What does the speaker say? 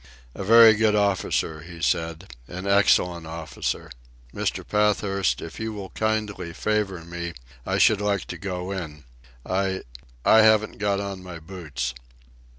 "A very good officer," he said. "An excellent officer. Mr. Pathurst, if you will kindly favour me, I should like to go in. I ... I haven't got on my boots."